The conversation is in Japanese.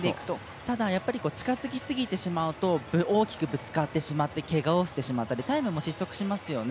ただ近づきすぎてしまうと大きくぶつかってしまってけがをしてしまったりタイムも失速しますよね。